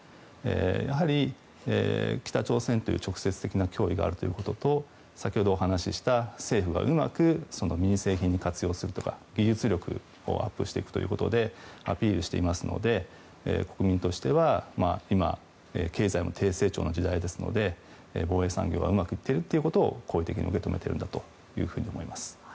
やはり、北朝鮮という直接的な脅威があるということと先ほどお話しした政府がうまく民生品に活用するとか技術力をアップしていくことでアピールしていますので国民としては今、経済の低成長の時代ですので防衛産業がうまくいっていることを好意的に受け止めているんだと思います。